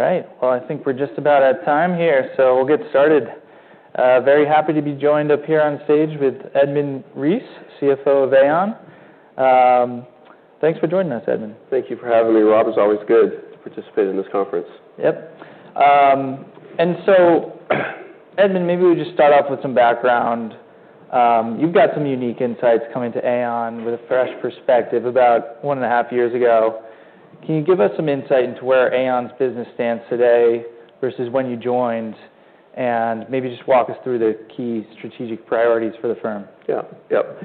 All right. Well, I think we're just about at time here, so we'll get started. Very happy to be joined up here on stage with Edmund Reese, CFO of Aon. Thanks for joining us, Edmund. Thank you for having me, Rob. It's always good to participate in this conference. Yep. And so, Edmund, maybe we just start off with some background. You've got some unique insights coming to Aon with a fresh perspective about one and a half years ago. Can you give us some insight into where Aon's business stands today versus when you joined, and maybe just walk us through the key strategic priorities for the firm? Yeah. Yep.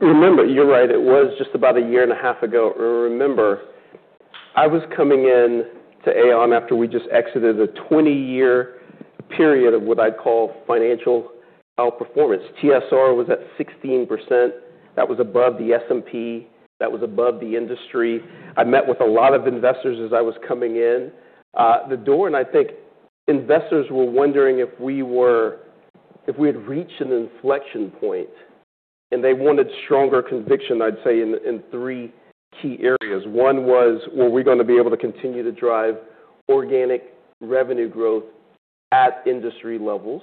Remember, you're right. It was just about a year and a half ago. Remember, I was coming into Aon after we just exited a 20-year period of what I'd call financial outperformance. TSR was at 16%. That was above the S&P. That was above the industry. I met with a lot of investors as I was coming in. Therefore, I think investors were wondering if we had reached an inflection point, and they wanted stronger conviction, I'd say, in three key areas. One was, were we going to be able to continue to drive organic revenue growth at industry levels?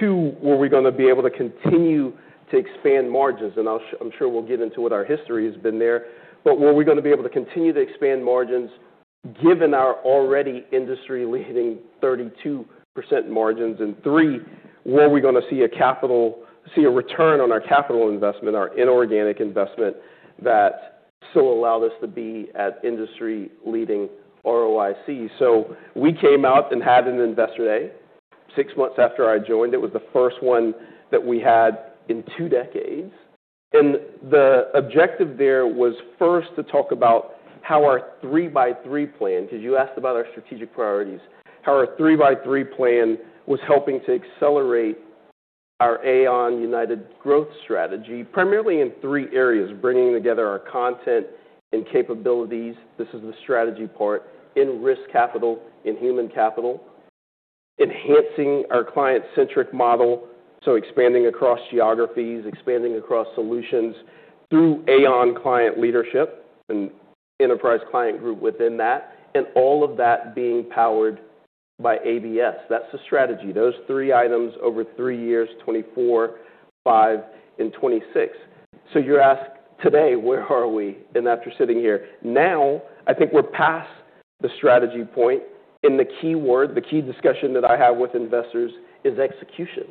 Two, were we going to be able to continue to expand margins, and I'm sure we'll get into what our history has been there, but were we going to be able to continue to expand margins given our already industry-leading 32% margins? And three, were we going to see a return on our capital investment, our inorganic investment, that still allowed us to be at industry-leading ROIC? We came out and had an investor day. Six months after I joined, it was the first one that we had in two decades. The objective there was first to talk about how our 3x3 Plan (because you asked about our strategic priorities) was helping to accelerate our Aon United growth strategy, primarily in three areas: bringing together our content and capabilities (this is the strategy part) in Risk Capital, in Human Capital, enhancing our client-centric model, so expanding across geographies, expanding across solutions through Aon Client Leadership and Enterprise Client Group within that, and all of that being powered by ABS. That's the strategy. Those three items over three years: 2024, 2025, and 2026. You're asked today, where are we? And after sitting here now, I think we're past the strategy point. And the key word, the key discussion that I have with investors is execution.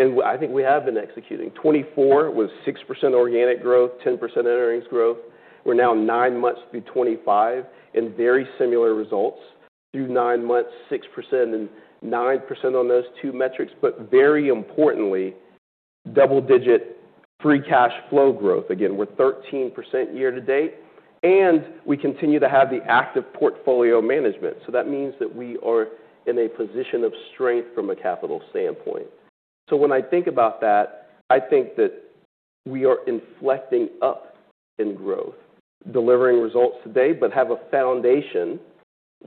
And I think we have been executing. 2024 was 6% organic growth, 10% in earnings growth. We're now nine months through 2025 and very similar results through nine months, 6% and 9% on those two metrics. But very importantly, double-digit free cash flow growth. Again, we're 13% year to date, and we continue to have the active portfolio management. So that means that we are in a position of strength from a capital standpoint. So when I think about that, I think that we are inflecting up in growth, delivering results today, but have a foundation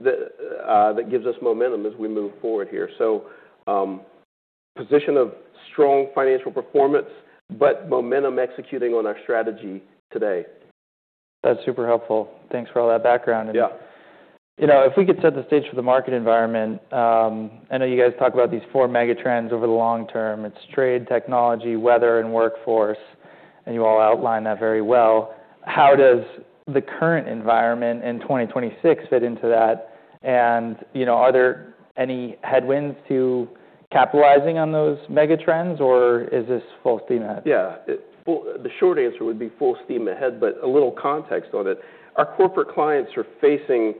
that gives us momentum as we move forward here. So position of strong financial performance, but momentum executing on our strategy today. That's super helpful. Thanks for all that background. And if we could set the stage for the market environment, I know you guys talk about these four megatrends over the long term. It's trade, technology, weather, and workforce. And you all outline that very well. How does the current environment in 2026 fit into that? And are there any headwinds to capitalizing on those megatrends, or is this full steam ahead? Yeah. Well, the short answer would be full steam ahead, but a little context on it. Our corporate clients are facing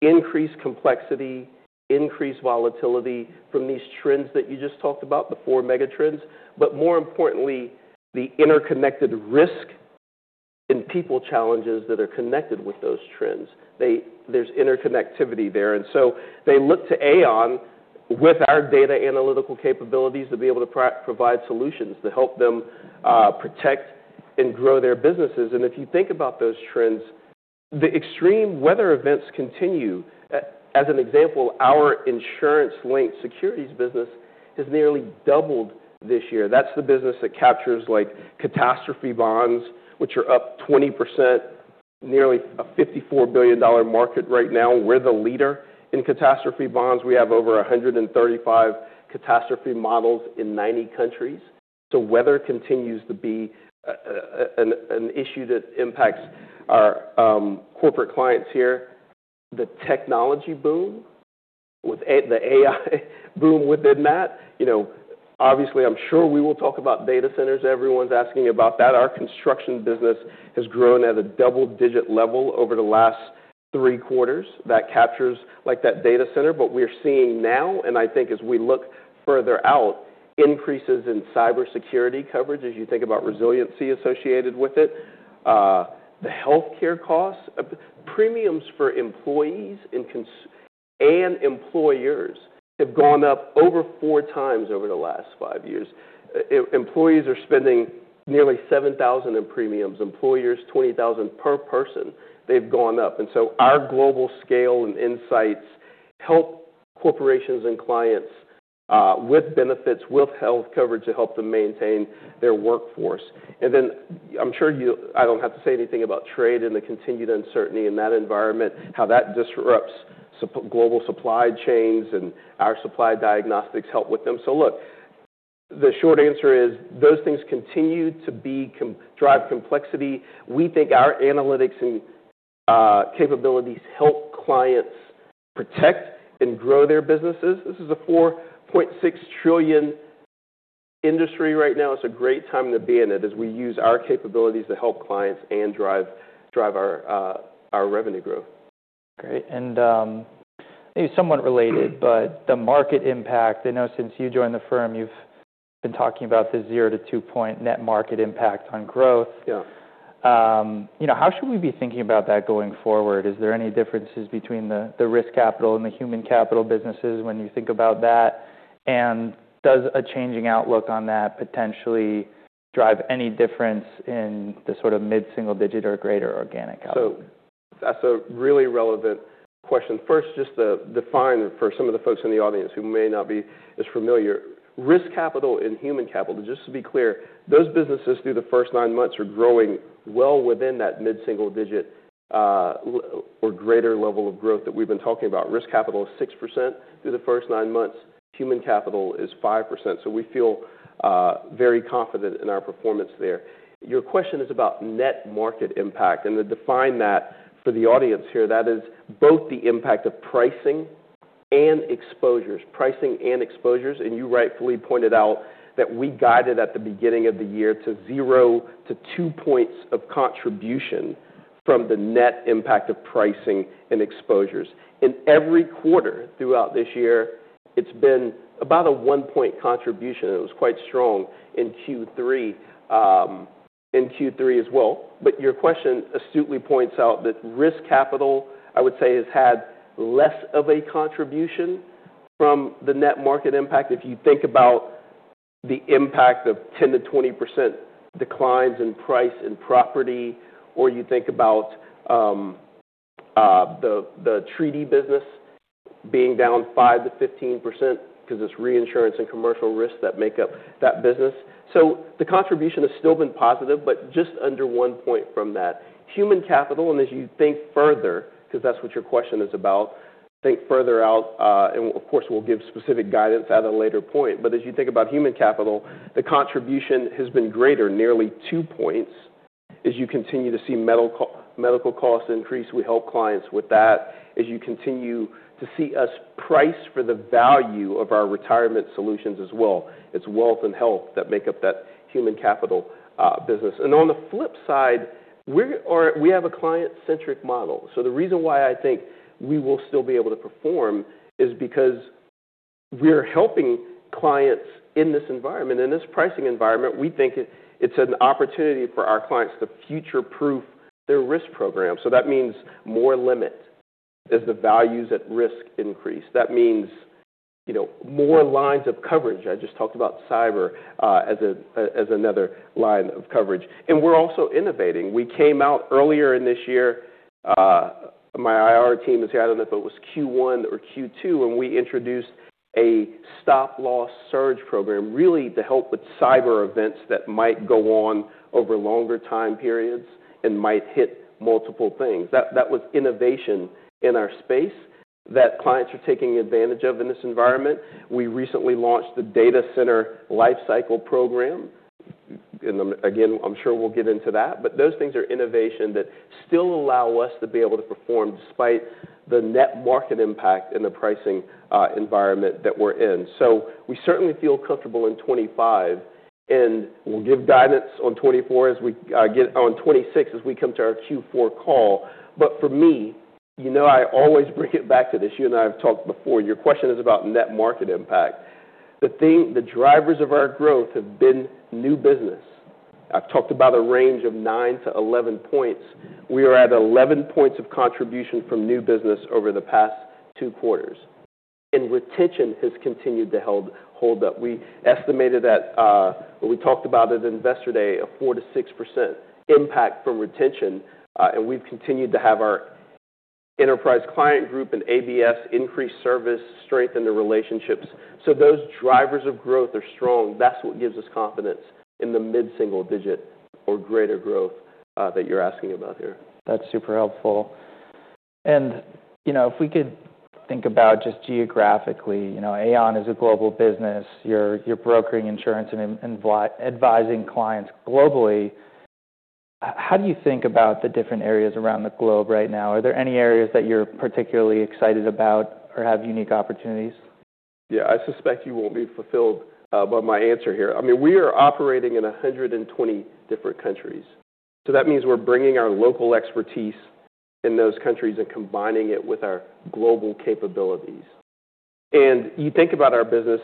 increased complexity, increased volatility from these trends that you just talked about, the four megatrends, but more importantly, the interconnected risk and people challenges that are connected with those trends. There's interconnectivity there. And so they look to Aon with our data analytical capabilities to be able to provide solutions to help them protect and grow their businesses. And if you think about those trends, the extreme weather events continue. As an example, our insurance-linked securities business has nearly doubled this year. That's the business that captures catastrophe bonds, which are up 20%, nearly a $54 billion market right now. We're the leader in catastrophe bonds. We have over 135 catastrophe models in 90 countries. So weather continues to be an issue that impacts our corporate clients here. The technology boom with the AI boom within that, obviously. I'm sure we will talk about data centers. Everyone's asking about that. Our construction business has grown at a double-digit level over the last three quarters. That captures that data center. But we're seeing now, and I think as we look further out, increases in cybersecurity coverage as you think about resiliency associated with it. The healthcare costs, premiums for employees and employers have gone up over four times over the last five years. Employees are spending nearly $7,000 in premiums. Employers, $20,000 per person. They've gone up, and so our global scale and insights help corporations and clients with benefits, with Health coverage to help them maintain their workforce. And then I'm sure you—I don't have to say anything about trade and the continued uncertainty in that environment, how that disrupts global supply chains and our supply diagnostics help with them. So look, the short answer is those things continue to drive complexity. We think our analytics and capabilities help clients protect and grow their businesses. This is a $4.6 trillion industry right now. It's a great time to be in it as we use our capabilities to help clients and drive our revenue growth. Great, and maybe somewhat related, but the market impact, I know since you joined the firm, you've been talking about the zero to two-point net market impact on growth. How should we be thinking about that going forward? Is there any differences between the Risk Capital and the Human Capital businesses when you think about that, and does a changing outlook on that potentially drive any difference in the sort of mid-single-digit or greater organic outlook? So that's a really relevant question. First, just to define for some of the folks in the audience who may not be as familiar, Risk Capital and Human Capital, just to be clear, those businesses through the first nine months are growing well within that mid-single-digit or greater level of growth that we've been talking about. Risk Capital is 6% through the first nine months. Human Capital is 5%. So we feel very confident in our performance there. Your question is about net market impact. And to define that for the audience here, that is both the impact of pricing and exposures. Pricing and exposures. And you rightfully pointed out that we guided at the beginning of the year to zero to two points of contribution from the net impact of pricing and exposures. In every quarter throughout this year, it's been about a one-point contribution. It was quite strong in Q3 as well. But your question astutely points out that Risk Capital, I would say, has had less of a contribution from the net market impact. If you think about the impact of 10%-20% declines in price and property, or you think about the treaty business being down 5%-15% because it's Reinsurance and Commercial Risk that make up that business. So the contribution has still been positive, but just under one point from that. Human Capital, and as you think further, because that's what your question is about, think further out. And of course, we'll give specific guidance at a later point. But as you think about Human Capital, the contribution has been greater, nearly two points, as you continue to see medical costs increase. We help clients with that. As you continue to see us price for the value of our retirement solutions as well. It's Wealth and Health that make up that human capital business. And on the flip side, we have a client-centric model. So the reason why I think we will still be able to perform is because we're helping clients in this environment. In this pricing environment, we think it's an opportunity for our clients to future-proof their risk program. So that means more limit as the values at risk increase. That means more lines of coverage. I just talked about cyber as another line of coverage. And we're also innovating. We came out earlier in this year. My IR team is here. I don't know if it was Q1 or Q2, and we introduced a Stop Loss Surge Program, really to help with cyber events that might go on over longer time periods and might hit multiple things. That was innovation in our space that clients are taking advantage of in this environment. We recently launched the Data Center Lifecycle Program, and again, I'm sure we'll get into that, but those things are innovation that still allow us to be able to perform despite the net market impact in the pricing environment that we're in, so we certainly feel comfortable in 2025, and we'll give guidance on 2024 on 2026 as we come to our Q4 call, but for me, I always bring it back to this. You and I have talked before. Your question is about net market impact. The drivers of our growth have been new business. I've talked about a range of 9-11 points. We are at 11 points of contribution from new business over the past two quarters. And retention has continued to hold up. We estimated that, when we talked about it at investor day, a 4%-6% impact from retention. And we've continued to have our Enterprise Client Group and ABS increase service, strengthen the relationships. So those drivers of growth are strong. That's what gives us confidence in the mid-single-digit or greater growth that you're asking about here. That's super helpful. And if we could think about just geographically, Aon is a global business. You're brokering insurance and advising clients globally. How do you think about the different areas around the globe right now? Are there any areas that you're particularly excited about or have unique opportunities? Yeah. I suspect you won't be fulfilled by my answer here. I mean, we are operating in 120 different countries. So that means we're bringing our local expertise in those countries and combining it with our global capabilities, and you think about our business,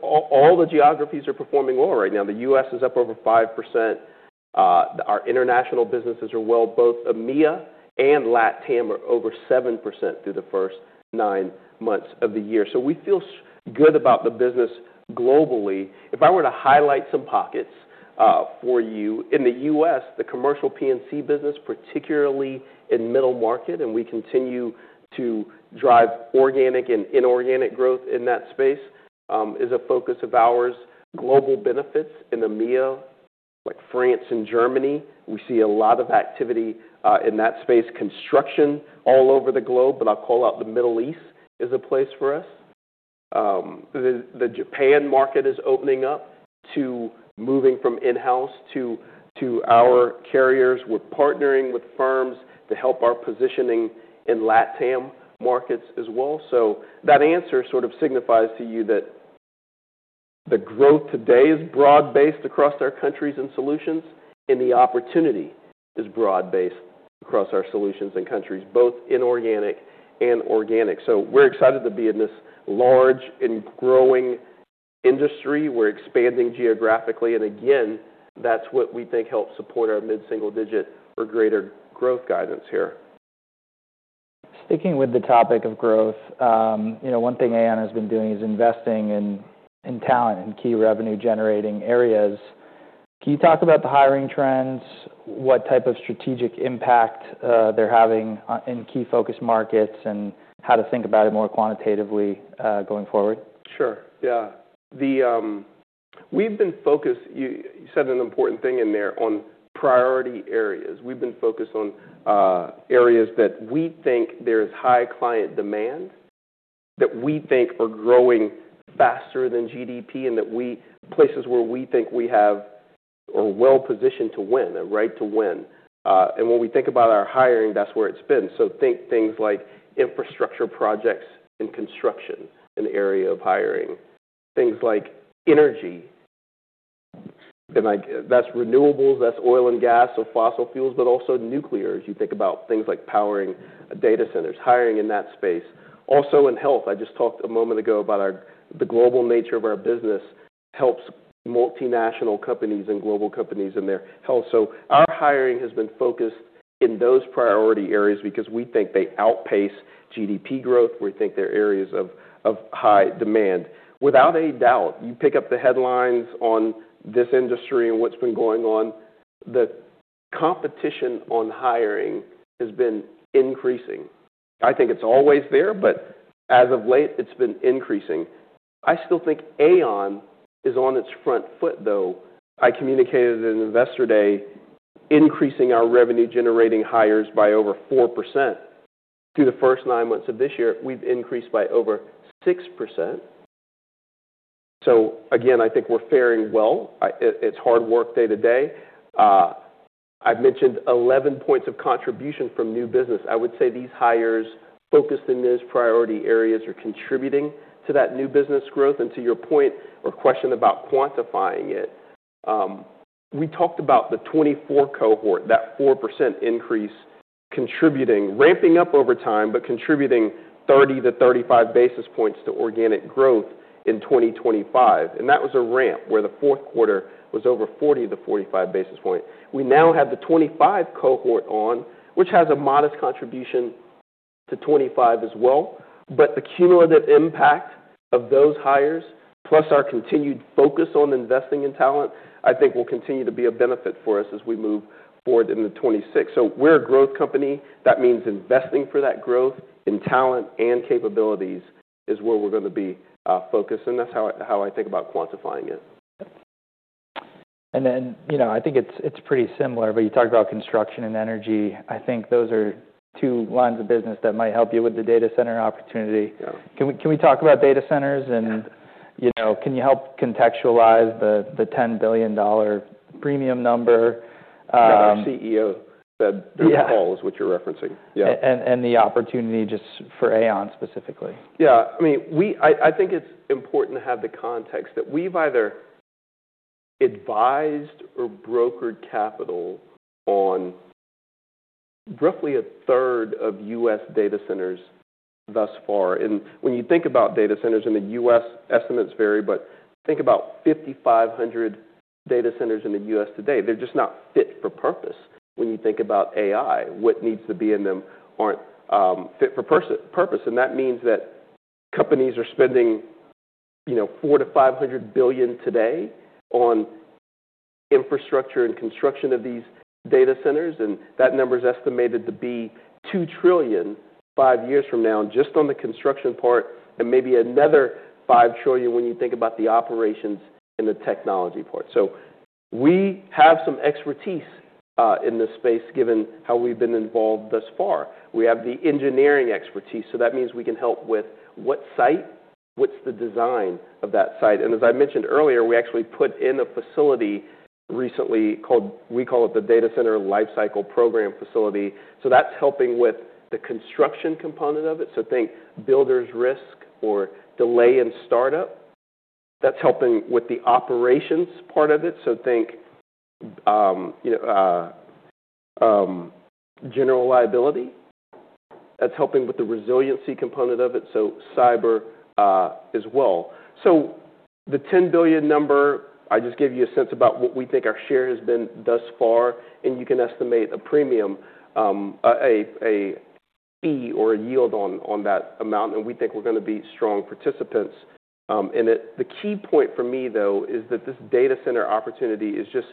all the geographies are performing well right now. The U.S. is up over 5%. Our international businesses are well. Both EMEA and LATAM are over 7% through the first nine months of the year. So we feel good about the business globally. If I were to highlight some pockets for you, in the U.S., the commercial P&C business, particularly in middle market, and we continue to drive organic and inorganic growth in that space, is a focus of ours. Global Benefits in EMEA, like France and Germany. We see a lot of activity in that space. Construction all over the globe, but I'll call out the Middle East is a place for us. The Japan market is opening up to moving from in-house to our carriers. We're partnering with firms to help our positioning in LATAM markets as well, so that answer sort of signifies to you that the growth today is broad-based across our countries and solutions, and the opportunity is broad-based across our solutions and countries, both inorganic and organic, so we're excited to be in this large and growing industry. We're expanding geographically, and again, that's what we think helps support our mid-single-digit or greater growth guidance here. Sticking with the topic of growth, one thing Aon has been doing is investing in talent and key revenue-generating areas. Can you talk about the hiring trends, what type of strategic impact they're having in key focus markets, and how to think about it more quantitatively going forward? Sure. Yeah. We've been focused, you said an important thing in there, on priority areas. We've been focused on areas that we think there is high client demand, that we think are growing faster than GDP, and places where we think we are well-positioned to win, a right to win, and when we think about our hiring, that's where it's been, so think things like infrastructure projects and construction in the area of hiring. Things like energy. That's renewables. That's oil and gas or fossil fuels, but also nuclear as you think about things like powering data centers, hiring in that space. Also in Health. I just talked a moment ago about the global nature of our business helps multinational companies and global companies in their Health, so our hiring has been focused in those priority areas because we think they outpace GDP growth. We think they're areas of high demand. Without a doubt, you pick up the headlines on this industry and what's been going on. The competition on hiring has been increasing. I think it's always there, but as of late, it's been increasing. I still think Aon is on its front foot, though. I communicated at investor day increasing our revenue-generating hires by over 4% through the first nine months of this year. We've increased by over 6%. So again, I think we're faring well. It's hard work day to day. I've mentioned 11 points of contribution from new business. I would say these hires focused in these priority areas are contributing to that new business growth. And to your point or question about quantifying it, we talked about the 2024 cohort, that 4% increase contributing, ramping up over time, but contributing 30-35 basis points to organic growth in 2025. And that was a ramp where the fourth quarter was over 40-45 basis points. We now have the 2025 cohort on, which has a modest contribution to 2025 as well. But the cumulative impact of those hires, plus our continued focus on investing in talent, I think will continue to be a benefit for us as we move forward into 2026. So we're a growth company. That means investing for that growth in talent and capabilities is where we're going to be focused. And that's how I think about quantifying it. Then I think it's pretty similar, but you talked about construction and energy. I think those are two lines of business that might help you with the data center opportunity. Can we talk about data centers? Can you help contextualize the $10 billion premium number? Yeah. Our CEO said through the call is what you're referencing. Yeah. And the opportunity just for Aon specifically. Yeah. I mean, I think it's important to have the context that we've either advised or brokered capital on roughly a third of U.S. data centers thus far. And when you think about data centers in the U.S., estimates vary, but think about 5,500 data centers in the U.S. today. They're just not fit for purpose. When you think about AI, what needs to be in them aren't fit for purpose. And that means that companies are spending $400-$500 billion today on infrastructure and construction of these data centers. And that number is estimated to be $2 trillion five years from now just on the construction part and maybe another $5 trillion when you think about the operations and the technology part. So we have some expertise in this space given how we've been involved thus far. We have the engineering expertise. So that means we can help with what site? What's the design of that site? And as I mentioned earlier, we actually put in a facility recently called, we call it, the Data Center Lifecycle Program facility. So that's helping with the construction component of it. So think Builders Risk or Delay in Start-Up. That's helping with the operations part of it. So think General Liability. That's helping with the resiliency component of it. So cyber as well. So the 10 billion number, I just gave you a sense about what we think our share has been thus far. And you can estimate a premium, a fee, or a yield on that amount. And we think we're going to be strong participants in it. The key point for me, though, is that this data center opportunity is just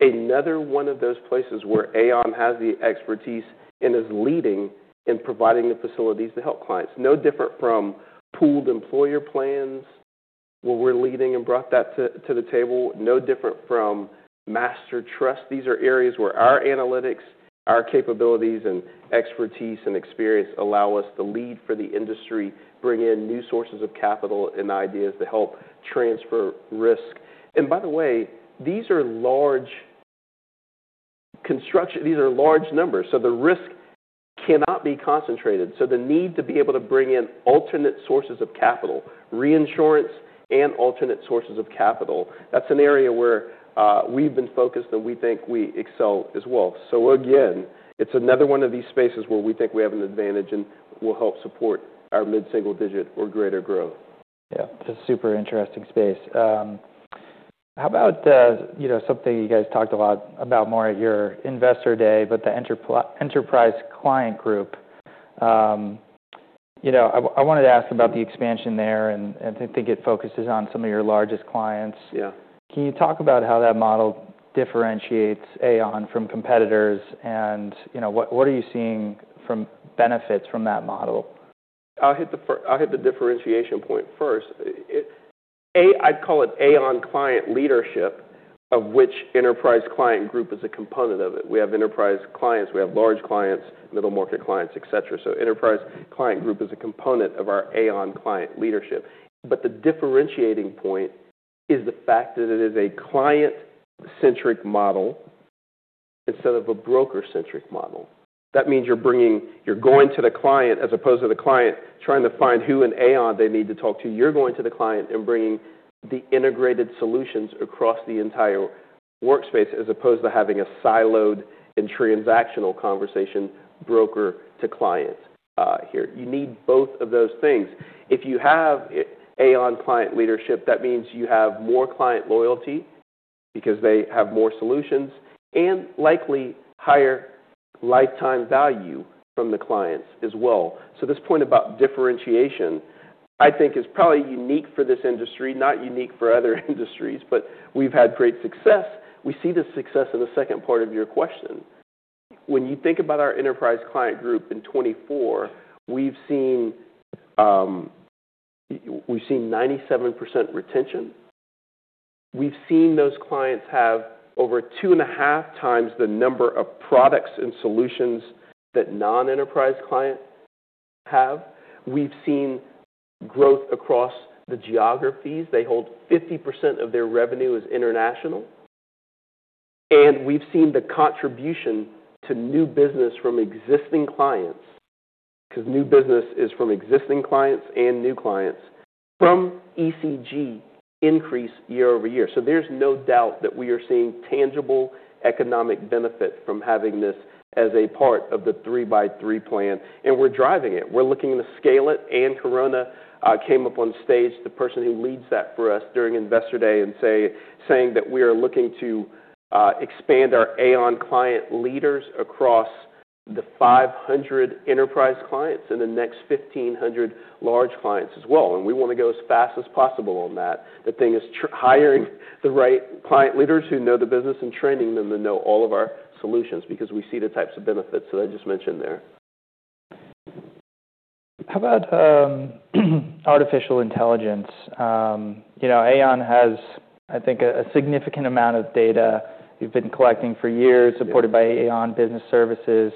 another one of those places where Aon has the expertise and is leading in providing the facilities to help clients. No different from pooled employer plans where we're leading and brought that to the table. No different from master trust. These are areas where our analytics, our capabilities, and expertise and experience allow us to lead for the industry, bring in new sources of capital and ideas to help transfer risk. And by the way, these are large construction. These are large numbers. So the risk cannot be concentrated. So the need to be able to bring in alternate sources of capital, Reinsurance and alternate sources of capital, that's an area where we've been focused and we think we excel as well. So again, it's another one of these spaces where we think we have an advantage and will help support our mid-single-digit or greater growth. Yeah. That's a super interesting space. How about something you guys talked a lot about more at your investor day, but the Enterprise Client Group? I wanted to ask about the expansion there and to think it focuses on some of your largest clients. Can you talk about how that model differentiates Aon from competitors, and what are you seeing from benefits from that model? I'll hit the differentiation point first. I'd call it Aon Client Leadership, of which Enterprise Client Group is a component of it. We have enterprise clients. We have large clients, middle market clients, etc. So Enterprise Client Group is a component of our Aon Client Leadership. But the differentiating point is the fact that it is a client-centric model instead of a broker-centric model. That means you're going to the client as opposed to the client trying to find who in Aon they need to talk to. You're going to the client and bringing the integrated solutions across the entire workspace as opposed to having a siloed and transactional conversation broker to client here. You need both of those things. If you have Aon Client Leadership, that means you have more client loyalty because they have more solutions and likely higher lifetime value from the clients as well. This point about differentiation, I think, is probably unique for this industry, not unique for other industries, but we've had great success. We see the success in the second part of your question. When you think about our Enterprise Client Group in 2024, we've seen 97% retention. We've seen those clients have over two and a half times the number of products and solutions that non-Enterprise Client Group clients have. We've seen growth across the geographies. They hold 50% of their revenue as international. And we've seen the contribution to new business from existing clients because new business is from existing clients and new clients from ECG increase year-over-year. So there's no doubt that we are seeing tangible economic benefit from having this as a part of the 3x3 Plan. And we're driving it. We're looking to scale it. Anne Corona came up on stage, the person who leads that for us during investor day, and saying that we are looking to expand our Aon client leaders across the 500 enterprise clients and the next 1,500 large clients as well. We want to go as fast as possible on that. The thing is hiring the right client leaders who know the business and training them to know all of our solutions because we see the types of benefits that I just mentioned there. How about artificial intelligence? Aon has, I think, a significant amount of data you've been collecting for years supported by Aon Business Services.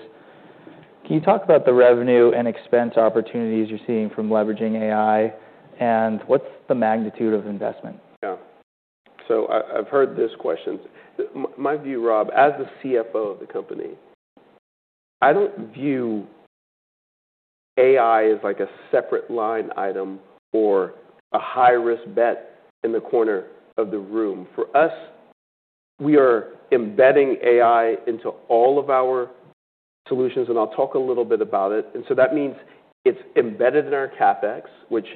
Can you talk about the revenue and expense opportunities you're seeing from leveraging AI? And what's the magnitude of investment? Yeah. So I've heard this question. My view, Rob, as the CFO of the company, I don't view AI as a separate line item or a high-risk bet in the corner of the room. For us, we are embedding AI into all of our solutions. And I'll talk a little bit about it. And so that means it's embedded in our CapEx, which,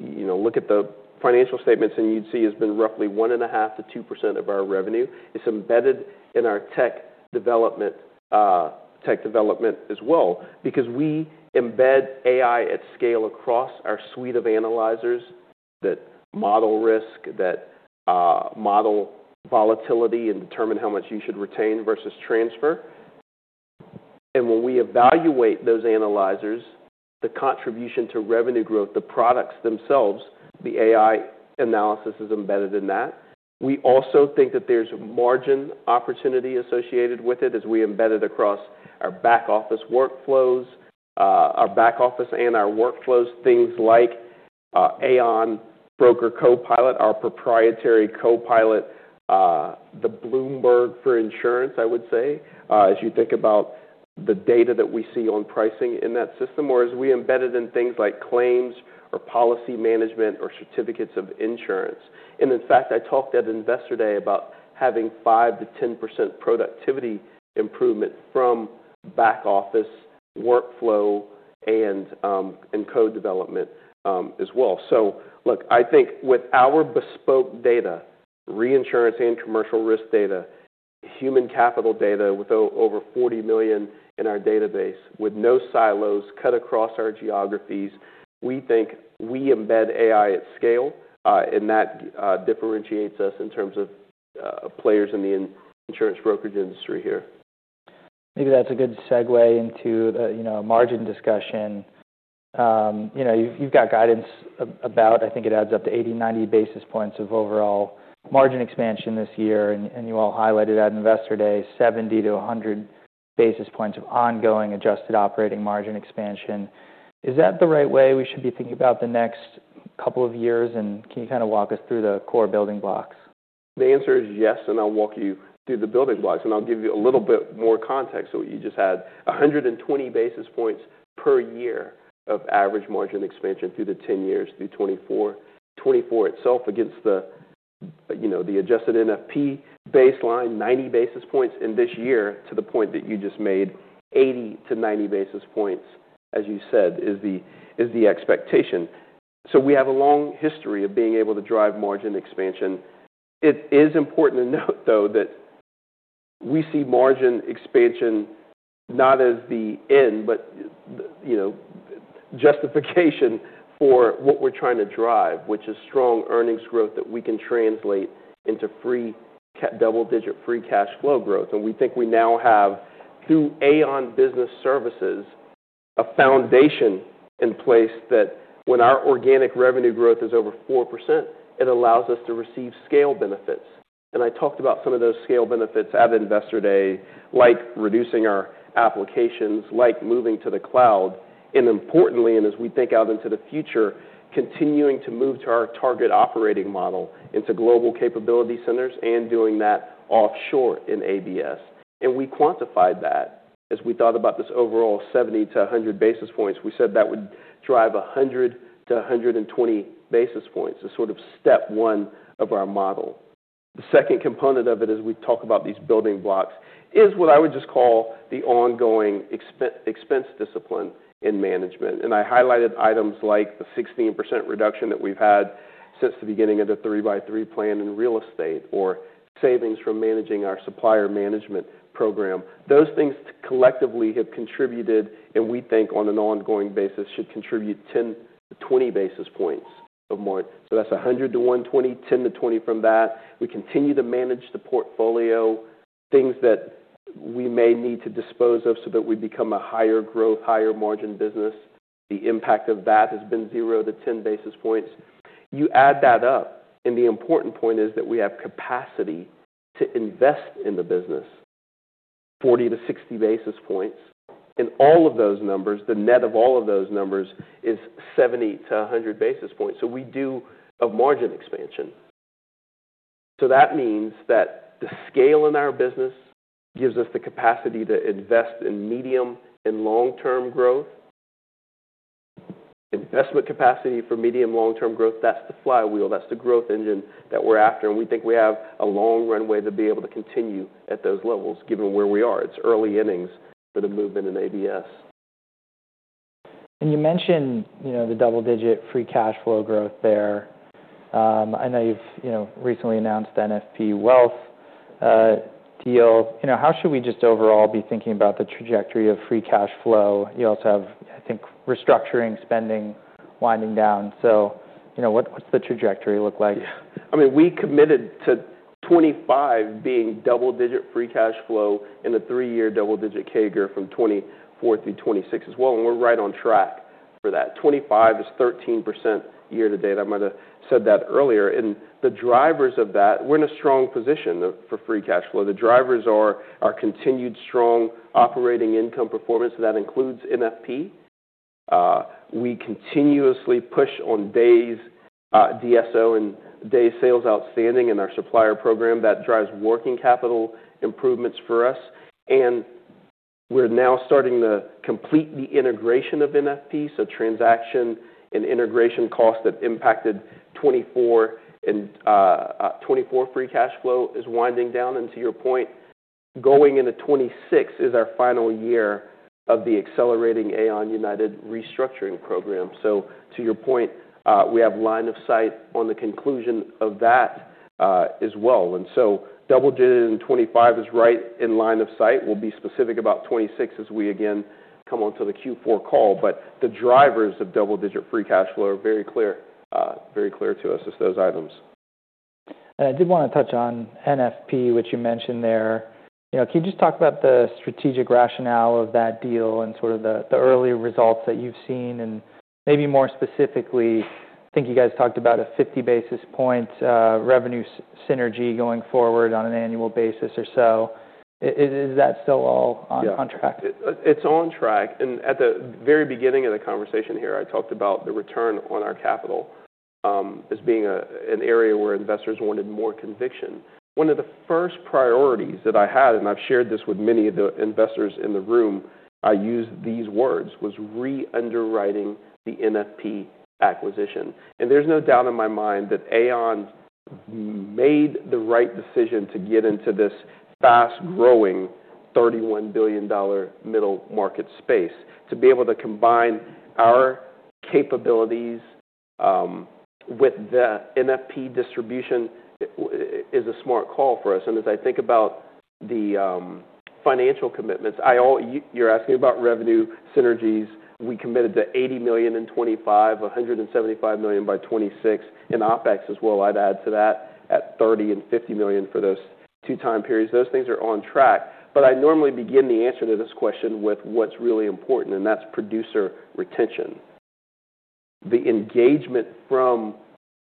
look at the financial statements and you'd see, has been roughly 1.5%-2% of our revenue. It's embedded in our tech development as well because we embed AI at scale across our suite of analyzers that model risk, that model volatility and determine how much you should retain versus transfer. And when we evaluate those analyzers, the contribution to revenue growth, the products themselves, the AI analysis is embedded in that. We also think that there's margin opportunity associated with it as we embed it across our back office workflows, our back office and our workflows, things like Aon Broker Copilot, our proprietary Copilot, the Bloomberg for insurance, I would say, as you think about the data that we see on pricing in that system or as we embed it in things like claims or policy management or certificates of insurance. And in fact, I talked at investor day about having 5%-10% productivity improvement from back office workflow and code development as well. So look, I think with our bespoke data, Reinsurance and Commercial Risk data, human capital data with over 40 million in our database with no silos cut across our geographies, we think we embed AI at scale. And that differentiates us in terms of players in the insurance brokerage industry here. Maybe that's a good segue into the margin discussion. You've got guidance about, I think it adds up to 80-90 basis points of overall margin expansion this year, and you all highlighted at Investor Day, 70-100 basis points of ongoing adjusted operating margin expansion. Is that the right way we should be thinking about the next couple of years, and can you kind of walk us through the core building blocks? The answer is yes. And I'll walk you through the building blocks. And I'll give you a little bit more context. So you just had 120 basis points per year of average margin expansion through the 10 years through 2024. 2024 itself against the adjusted NFP baseline, 90 basis points in this year to the point that you just made 80-90 basis points, as you said, is the expectation. So we have a long history of being able to drive margin expansion. It is important to note, though, that we see margin expansion not as the end, but justification for what we're trying to drive, which is strong earnings growth that we can translate into free double-digit free cash flow growth. We think we now have, through Aon Business Services, a foundation in place that when our organic revenue growth is over 4%, it allows us to receive scale benefits. I talked about some of those scale benefits at Investor Day, like reducing our applications, like moving to the cloud. Importantly, as we think out into the future, continuing to move to our target operating model into Global Capability Centers and doing that offshore in ABS. We quantified that as we thought about this overall 70-100 basis points. We said that would drive 100-120 basis points as sort of step one of our model. The second component of it, as we talk about these building blocks, is what I would just call the ongoing expense discipline in management. And I highlighted items like the 16% reduction that we've had since the beginning of the 3x3 Plan in real estate or savings from managing our supplier management program. Those things collectively have contributed, and we think on an ongoing basis should contribute 10-20 basis points of more. So that's 100-120, 10-20 from that. We continue to manage the portfolio, things that we may need to dispose of so that we become a higher growth, higher margin business. The impact of that has been 0-10 basis points. You add that up. And the important point is that we have capacity to invest in the business, 40-60 basis points. And all of those numbers, the net of all of those numbers is 70-100 basis points. So we do have margin expansion. So that means that the scale in our business gives us the capacity to invest in medium and long-term growth, investment capacity for medium long-term growth. That's the flywheel. That's the growth engine that we're after. And we think we have a long runway to be able to continue at those levels given where we are. It's early innings for the movement in ABS. And you mentioned the double-digit free cash flow growth there. I know you've recently announced NFP Wealth deal. How should we just overall be thinking about the trajectory of free cash flow? You also have, I think, restructuring spending winding down. So what's the trajectory look like? Yeah. I mean, we committed to 2025 being double-digit free cash flow in the three-year double-digit CAGR from 2024 through 2026 as well. And we're right on track for that. 2025 is 13% year to date. I might have said that earlier. And the drivers of that, we're in a strong position for free cash flow. The drivers are our continued strong operating income performance. That includes NFP. We continuously push on days, DSO and Day Sales Outstanding in our supplier program. That drives working capital improvements for us. And we're now starting to complete the integration of NFP. So transaction and integration costs that impacted 2024 and 2024 free cash flow is winding down. And to your point, going into 2026 is our final year of the accelerating Aon United restructuring program. So to your point, we have line of sight on the conclusion of that as well. And so double-digit in 2025 is right in line of sight. We'll be specific about 2026 as we again come onto the Q4 call. But the drivers of double-digit free cash flow are very clear to us as those items. I did want to touch on NFP, which you mentioned there. Can you just talk about the strategic rationale of that deal and sort of the early results that you've seen? Maybe more specifically, I think you guys talked about a 50 basis point revenue synergy going forward on an annual basis or so. Is that still all on track? Yes. It's on track. And at the very beginning of the conversation here, I talked about the return on our capital as being an area where investors wanted more conviction. One of the first priorities that I had, and I've shared this with many of the investors in the room, I used these words, was re-underwriting the NFP acquisition. And there's no doubt in my mind that Aon made the right decision to get into this fast-growing $31 billion middle market space. To be able to combine our capabilities with the NFP distribution is a smart call for us. And as I think about the financial commitments, you're asking about revenue synergies. We committed to $80 million in 2025, $175 million by 2026, and OpEx as well. I'd add to that $30 million and $50 million for those two time periods. Those things are on track. But I normally begin the answer to this question with what's really important, and that's producer retention. The engagement from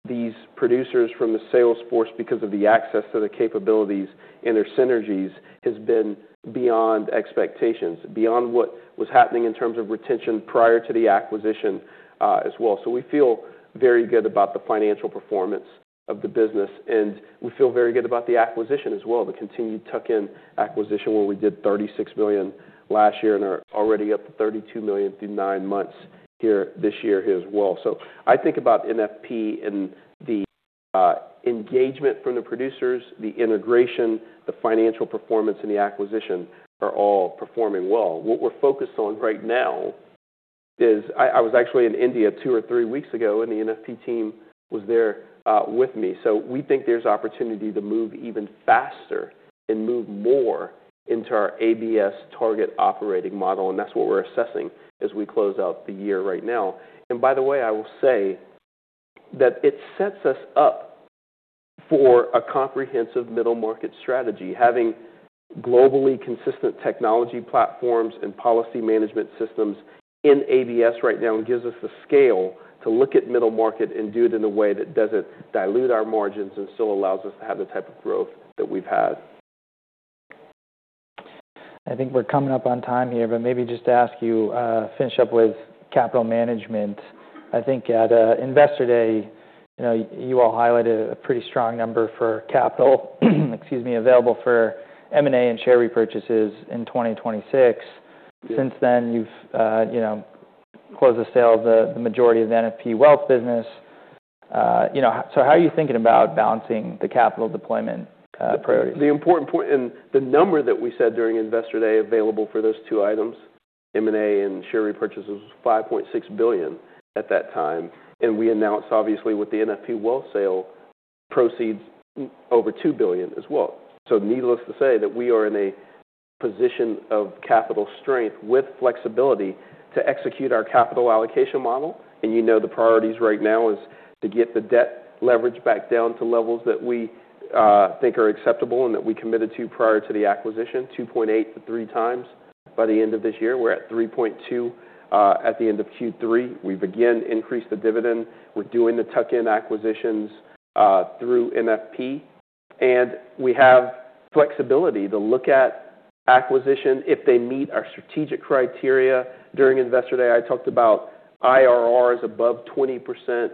these producers, from the sales force because of the access to the capabilities and their synergies has been beyond expectations, beyond what was happening in terms of retention prior to the acquisition as well, so we feel very good about the financial performance of the business, and we feel very good about the acquisition as well, the continued tuck-in acquisition where we did $36 million last year and are already up to $32 million through nine months here this year as well, so I think about NFP and the engagement from the producers, the integration, the financial performance, and the acquisition are all performing well. What we're focused on right now is I was actually in India two or three weeks ago, and the NFP team was there with me. So we think there's opportunity to move even faster and move more into our ABS target operating model. And that's what we're assessing as we close out the year right now. And by the way, I will say that it sets us up for a comprehensive middle market strategy. Having globally consistent technology platforms and policy management systems in ABS right now gives us the scale to look at middle market and do it in a way that doesn't dilute our margins and still allows us to have the type of growth that we've had. I think we're coming up on time here, but maybe just to ask you, finish up with capital management. I think at investor day, you all highlighted a pretty strong number for capital, excuse me, available for M&A and share repurchases in 2026. Since then, you've closed the sale of the majority of the NFP Wealth business. So how are you thinking about balancing the capital deployment priorities? The important point and the number that we said during investor day, available for those two items, M&A and share repurchases, was $5.6 billion at that time, and we announced, obviously, with the NFP Wealth sale proceeds over $2 billion as well, so needless to say that we are in a position of capital strength with flexibility to execute our capital allocation model, and you know the priorities right now is to get the debt leverage back down to levels that we think are acceptable and that we committed to prior to the acquisition, 2.8x -3x by the end of this year. We're at 3.2x at the end of Q3. We've again increased the dividend. We're doing the tuck-in acquisitions through NFP, and we have flexibility to look at acquisition if they meet our strategic criteria. During Investor Day, I talked about IRRs above 20%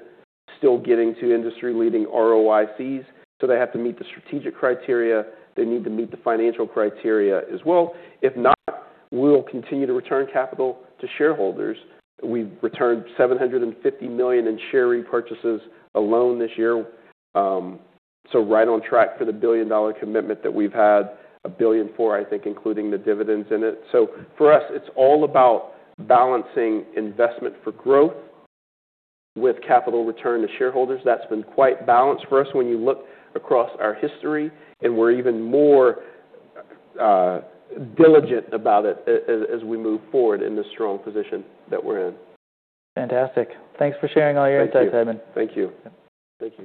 still getting to industry-leading ROICs. So they have to meet the strategic criteria. They need to meet the financial criteria as well. If not, we'll continue to return capital to shareholders. We've returned $750 million in share repurchases alone this year. So right on track for the $1 billion-dollar commitment that we've had, a $1 billion for, I think, including the dividends in it. So for us, it's all about balancing investment for growth with capital return to shareholders. That's been quite balanced for us when you look across our history. And we're even more diligent about it as we move forward in this strong position that we're in. Fantastic. Thanks for sharing all your insights, Edmund. Thank you. Thank you.